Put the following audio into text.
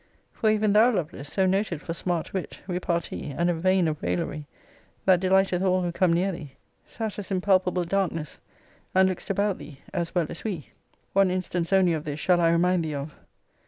For even thou, Lovelace, so noted for smart wit, repartee, and a vein of raillery, that delighteth all who come near thee, sattest in palpable darkness, and lookedst about thee, as well as we. One instance only of this shall I remind thee of.